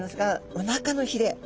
おなかのひれ。